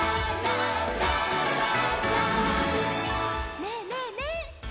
「ねえねえねえ？